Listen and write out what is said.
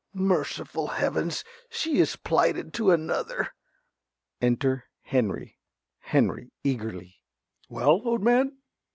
_) Merciful heavens, she is plighted to another. Enter Henry. ~Henry~ (eagerly). Well, old man?